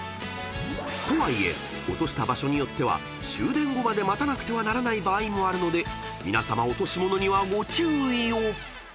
［とはいえ落とした場所によっては終電後まで待たなくてはならない場合もあるので皆さま落とし物にはご注意を］